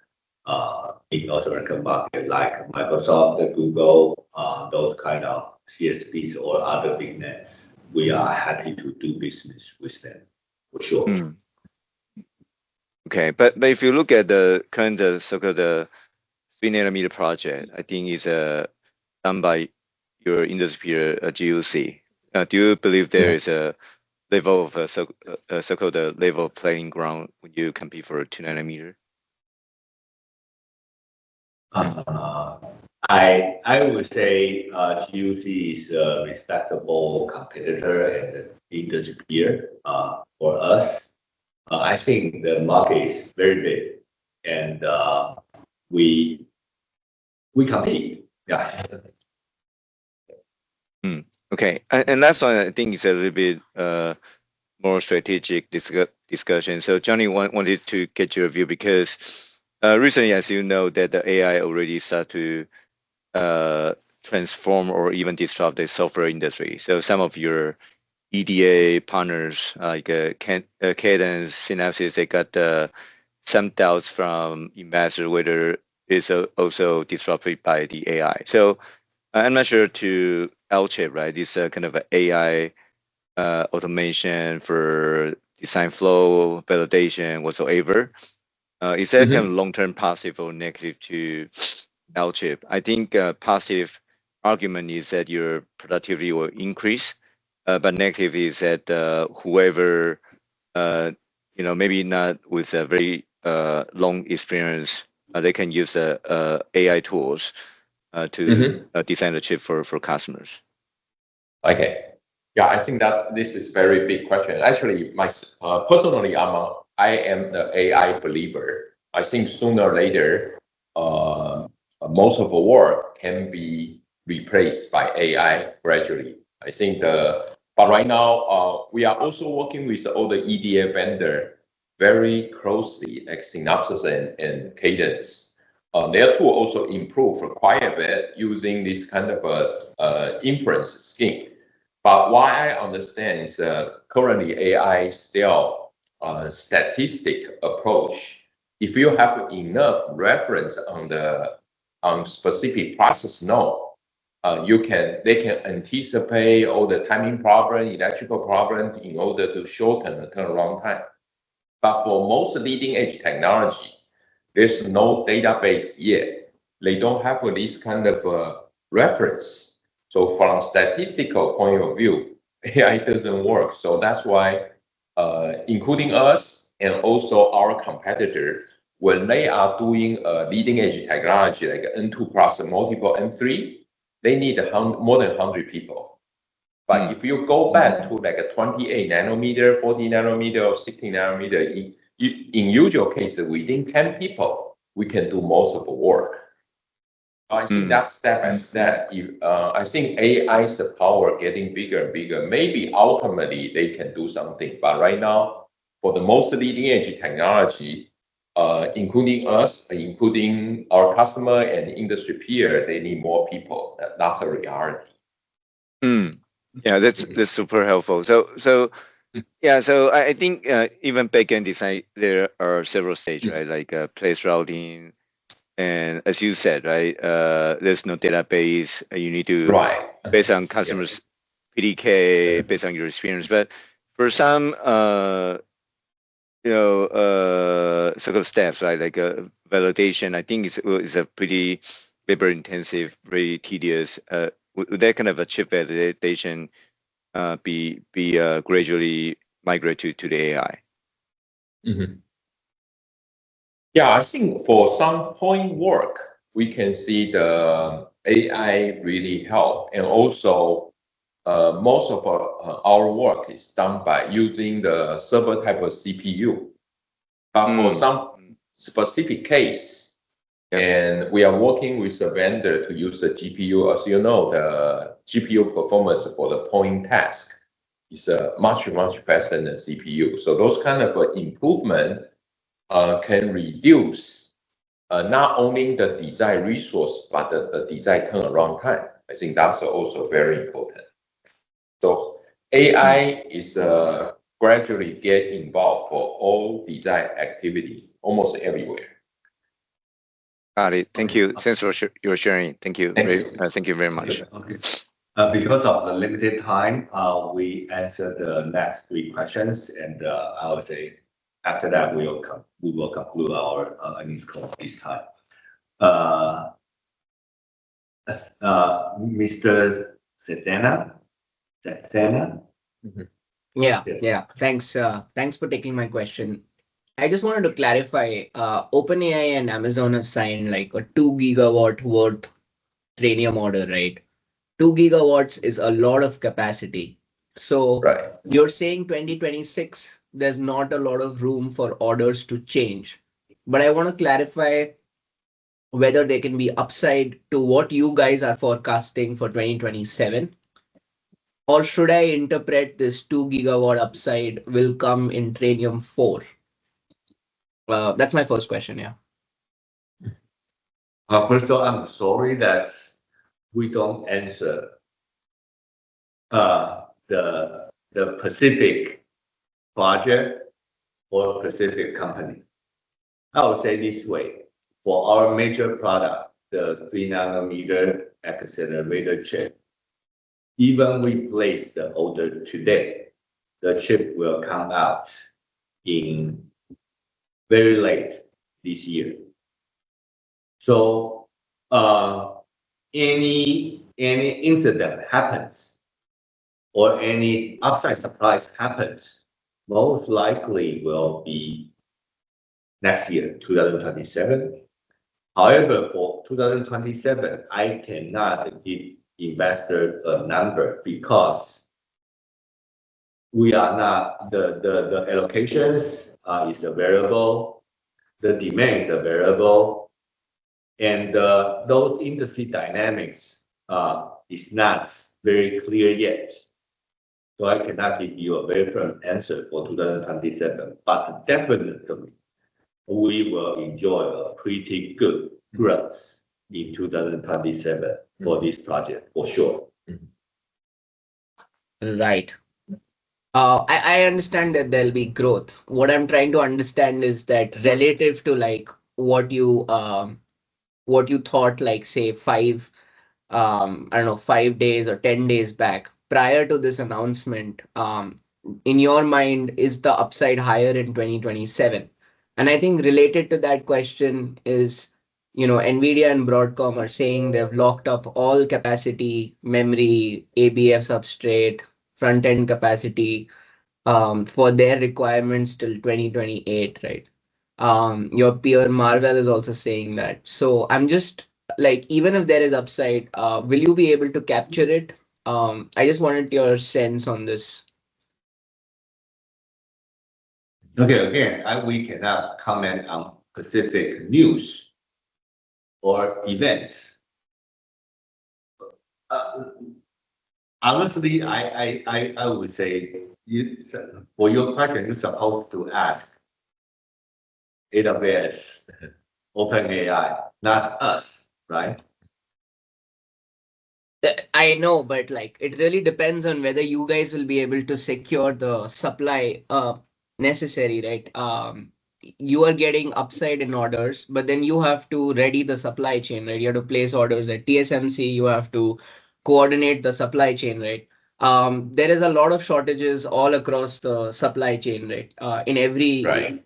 in North American market, like Microsoft and Google, those kind of CSPs or other big names. We are happy to do business with them, for sure. Okay. If you look at the kind of so-called, 3-nanometer project, I think it's done by your industry, GUC. Do you believe there is a level of so-called level playing ground when you compete for a 2-nanometer? I would say, GUC is a respectable competitor and industry peer for us. I think the market is very big and, we compete. Yeah. Okay. Last one I think is a little bit more strategic discussion. Johnny, wanted to get your view because recently, as you know, that the AI already start to transform or even disrupt the software industry. Some of your EDA partners, like Cadence, Synopsys, they got some doubts from investors whether it's also disrupted by the AI. I'm not sure to Alchip, right? It's a kind of AI automation for design flow, validation, whatsoever. Mm-hmm... kind of long-term positive or negative to Alchip? I think, positive argument is that your productivity will increase, but negative is that, whoever, you know, maybe not with a very, long experience, they can use AI tools. Mm-hmm... design the chip for customers. Okay. Yeah, I think that this is very big question. Actually, personally, I am a AI believer. I think sooner or later, most of the work can be replaced by AI gradually. I think, right now, we are also working with all the EDA vendor very closely, like Synopsys and Cadence. Their tool also improve quite a bit using this kind of inference scheme. What I understand is that currently AI is still a statistic approach. If you have enough reference on the, on specific process, know, they can anticipate all the timing problem, electrical problem in order to shorten the turnaround time. For most leading-edge technology, there's no database yet. They don't have this kind of a reference. From statistical point of view, AI doesn't work. That's why, including us and also our competitor, when they are doing a leading-edge technology, like N2 plus multiple N3, they need more than 100 people. Mm-hmm. If you go back to, like, a 28-nanometer, 14-nanometer, or 16-nanometer, in usual case, within 10 people, we can do most of the work. Mm-hmm. I think that step, I think AI's power getting bigger and bigger, maybe ultimately they can do something. Right now, for the most leading-edge technology, including us, including our customer and industry peer, they need more people. That's a reality. Yeah, that's super helpful. Yeah. I think even back-end design, there are several stages, right? Like, place routing, and as you said, right, there's no database. Right... based on customers' PDK, based on your experience. For some, you know, sort of steps, right, like validation, I think is a pretty labor-intensive, very tedious. Will that kind of a chip validation be gradually migrated to the AI? Mm-hmm. Yeah. I think for some point work, we can see the AI really help. Most of our work is done by using the server type of CPU. Mm-hmm. For some specific case, and we are working with the vendor to use the GPU. As you know, the GPU performance for the point task is much, much faster than the CPU. Those kind of improvement can reduce not only the design resource, but the design turnaround time. I think that's also very important. AI is gradually get involved for all design activities almost everywhere. Got it. Thank you. Thanks for your sharing. Thank you. Thank you. Thank you very much. Okay. Because of the limited time, we answer the next three questions, I would say after that we will conclude our earnings call this time. Mr. Sethanan? Sethanan? Mm-hmm. Yeah. Yes. Yeah. Thanks, thanks for taking my question. I just wanted to clarify, OpenAI and Amazon have signed, like, a 2 gigawatt worth Trainium order, right? 2 gigawatts is a lot of capacity. Right... you're saying 2026, there's not a lot of room for orders to change. I want to clarify whether there can be upside to what you guys are forecasting for 2027. Should I interpret this 2 gigawatt upside will come in Trainium 4? Well, that's my first question, yeah. First of all, I'm sorry that we don't answer the specific project or specific company. I will say this way, for our major product, the 3-nanometer accelerator chip, even we place the order today, the chip will come out in very late this year. Any incident happens or any upside surprise happens, most likely will be next year, 2027. However, for 2027, I cannot give investor a number because the allocations is a variable, the demand is a variable, and those industry dynamics is not very clear yet. I cannot give you a very firm answer for 2027, but definitely we will enjoy a pretty good growth in 2027 for this project, for sure. Right. I understand that there'll be growth. What I'm trying to understand is that relative to, like, what you thought like, say, five, I don't know, five days or 10 days back, prior to this announcement, in your mind, is the upside higher in 2027? I think related to that question is, you know, NVIDIA and Broadcom are saying they have locked up all capacity, memory, ABF substrate, front-end capacity, for their requirements till 2028, right? Your peer Marvell is also saying that. I'm just, like, even if there is upside, will you be able to capture it? I just wanted your sense on this. Okay. Again, we cannot comment on specific news or events. honestly, I would say for your question, you're supposed to ask. AWS, OpenAI, not us, right? I know, it really depends on whether you guys will be able to secure the supply necessary, right? You are getting upside in orders, you have to ready the supply chain, right? You have to place orders at TSMC, you have to coordinate the supply chain, right? There is a lot of shortages all across the supply chain, right? Right.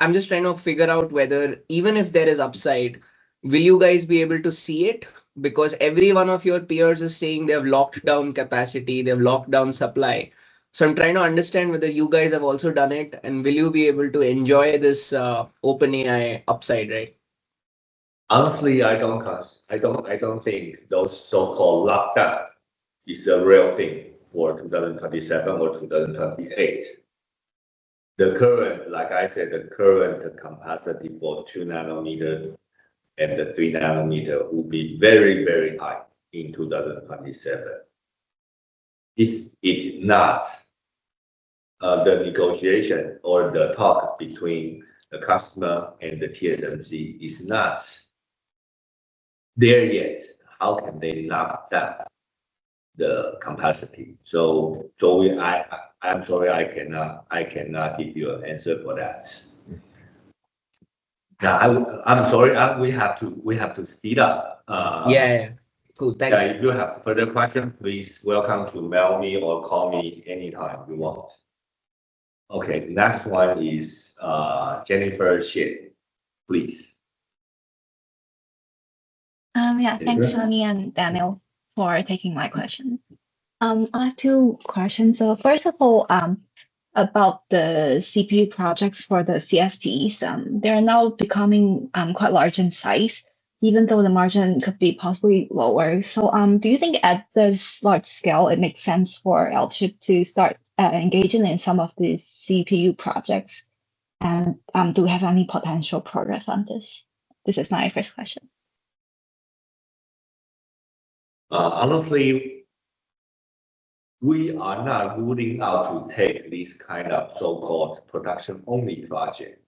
I'm just trying to figure out whether even if there is upside, will you guys be able to see it? Because every one of your peers is saying they have locked down capacity, they have locked down supply. So I'm trying to understand whether you guys have also done it, and will you be able to enjoy this OpenAI upside, right? Honestly, I don't think those so-called locked up is a real thing for 2027 or 2028. The current, like I said, the current capacity for 2-nanometer and the 3-nanometer will be very, very high in 2027. This is not, the negotiation or the talk between the customer and TSMC is not there yet. How can they lock down the capacity? Joey, I'm sorry, I cannot give you an answer for that. Now I'm sorry, we have to speed up. Yeah. Cool. Thanks. If you have further question, please welcome to mail me or call me anytime you want. Okay, next one is Jennifer Shin, please. Yeah. Thanks, Tony and Daniel, for taking my question. I have two questions. First of all, about the CPU projects for the CSPs. They are now becoming quite large in size, even though the margin could be possibly lower. Do you think at this large scale, it makes sense for Alchip to start engaging in some of these CPU projects? Do we have any potential progress on this? This is my first question. Honestly, we are not ruling out to take this kind of so-called production only project.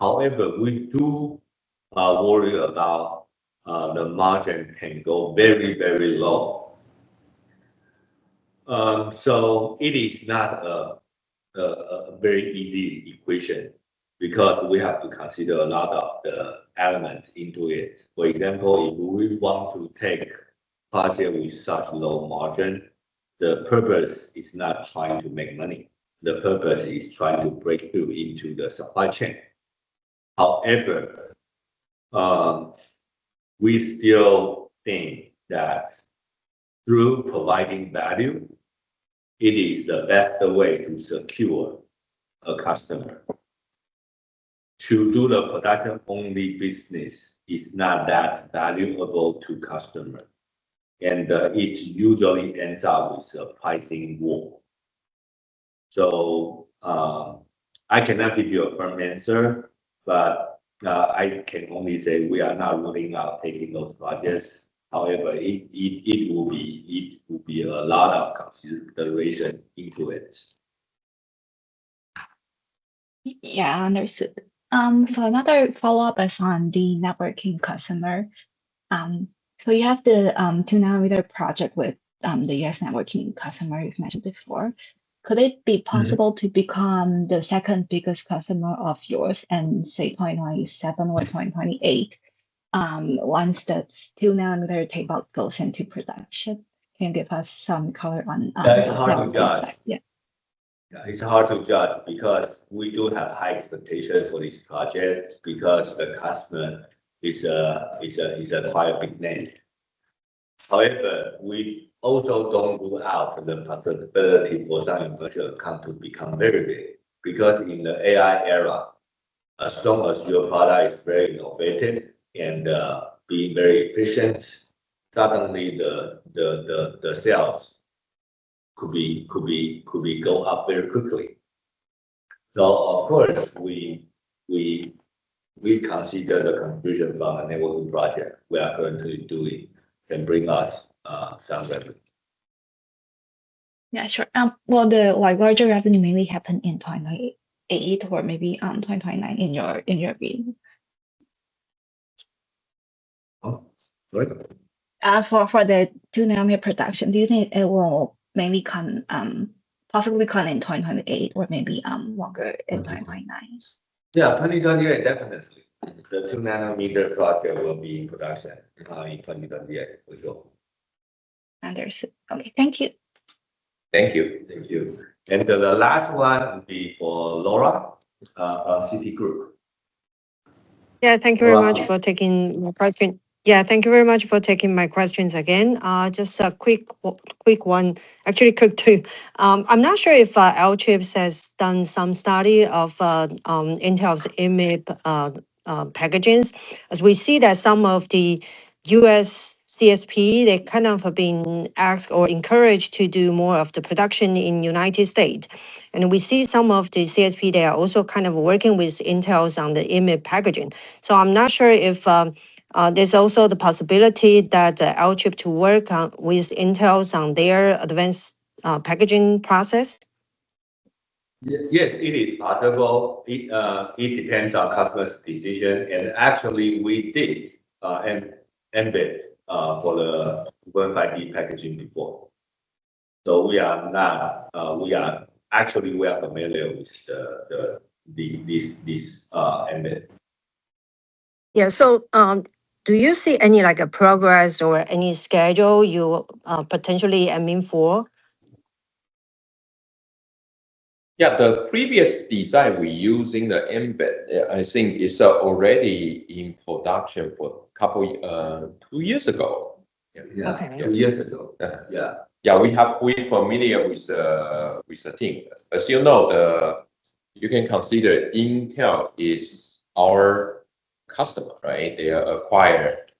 We do worry about the margin can go very, very low. It is not a very easy equation because we have to consider a lot of the elements into it. For example, if we want to take project with such low margin, the purpose is not trying to make money. The purpose is trying to break through into the supply chain. We still think that through providing value, it is the best way to secure a customer. To do the production only business is not that valuable to customer, it usually ends up with a pricing war. I cannot give you a firm answer, I can only say we are not ruling out taking those projects. It will be a lot of consideration into it. Yeah, understood. Another follow-up is on the networking customer. You have the 2-nanometer project with the U.S. networking customer you've mentioned before. Could it be possible? Yeah. to become the second biggest customer of yours in say, 2027 or 2028, once that 2-nanometer tape out goes into production? Can you give us some color on that side? Yeah, it's hard to judge. Yeah. It's hard to judge because we do have high expectations for this project because the customer is a quite big name. We also don't rule out the possibility for some virtual account to become very big. In the AI era, as long as your product is very innovative and being very efficient, suddenly the sales could be go up very quickly. Of course, we consider the contribution from a networking project we are currently doing can bring us some revenue. Yeah, sure. Will the like, larger revenue mainly happen in 2028 or maybe, 2029 in your, in your view? Oh, sorry. For the 2-nanometer production, do you think it will mainly come, possibly come in 2028 or maybe, longer in 2029? Yeah, 2028, definitely. The 2-nanometer project will be in production in 2028 for sure. Understood. Okay, thank you. Thank you. Thank you. The last one will be for Laura, Citigroup. Yeah. Thank you very much for taking my question. Yeah, thank you very much for taking my questions again. Just a quick one. Actually, quick two. I'm not sure if Alchip has done some study of Intel's EMIB packagings. As we see that some of the U.S. CSP, they kind of have been asked or encouraged to do more of the production in United States. We see some of the CSP, they are also kind of working with Intel on the EMIB packaging. I'm not sure if there's also the possibility that Alchip to work with Intel on their advanced packaging process. Yes, it is possible. It, it depends on customer's decision, and actually we did an EMIB for the Wafer ID packaging before. Actually, we are familiar with the this EMIB. Yeah. Do you see any, like, progress or any schedule you potentially aiming for? Yeah. The previous design we use in the EMIB, I think is already in production for couple two years ago. Yeah. Okay. Two years ago. Yeah, yeah. Yeah, We familiar with the, with the team. As you know, the, you can consider Intel is our customer, right? They acquired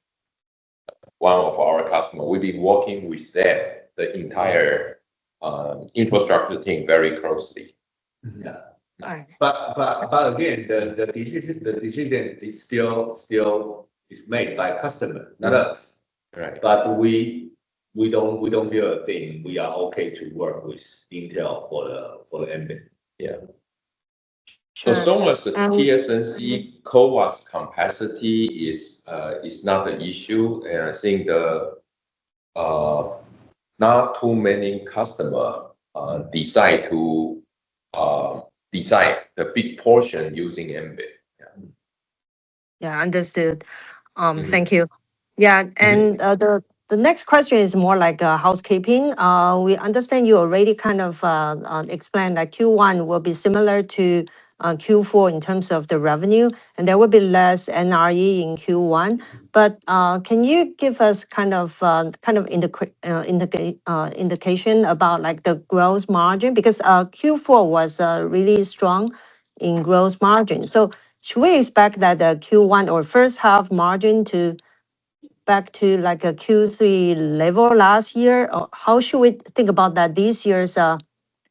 one of our customer. We've been working with them, the entire infrastructure team, very closely. Mm-hmm. All right. Again, the decision is still, it's made by customer, not us. Correct. We don't feel a thing. We are okay to work with Intel for the EMIB. Yeah. So, and- As long as the TSMC CoWoS capacity is not an issue, I think the not too many customer decide the big portion using EMIB. Yeah. Yeah, understood. Thank you. Yeah. The next question is more like housekeeping. We understand you already kind of explained that Q1 will be similar to Q4 in terms of the revenue, and there will be less NRE in Q1. Can you give us kind of indication about, like, the gross margin? Because Q4 was really strong in gross margin. Should we expect that the Q1 or first half margin to back to, like, a Q3 level last year? How should we think about that, this year's gross margin?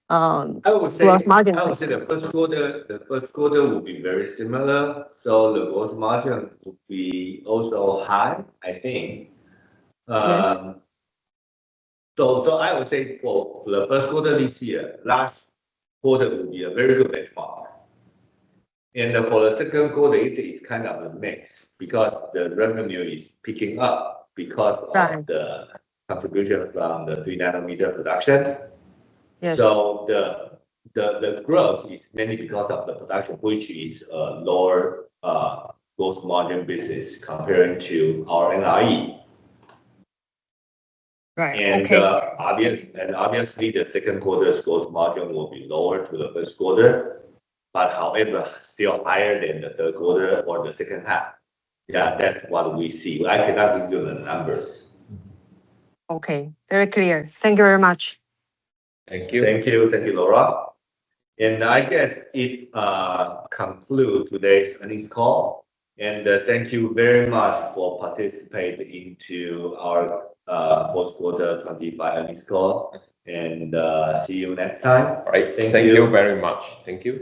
I would say the Q1 will be very similar, the gross margin will be also high, I think. Yes. I would say for the Q1 this year, last quarter will be a very good benchmark. For the Q2, it is kind of a mix because the revenue is picking up because of. Right the contribution from the 3-nanometer production. Yes. The growth is mainly because of the production, which is lower growth margin business comparing to our NRE. Right. Okay. Obviously the Q2's gross margin will be lower to the Q1, however, still higher than the Q3 or the second half. Yeah, that's what we see. I cannot give you the numbers. Okay. Very clear. Thank you very much. Thank you. Thank you. Thank you, Laura. I guess it conclude today's earnings call. Thank you very much for participating into our Q4 2025 earnings call, and see you next time. All right. Thank you. Thank you very much. Thank you.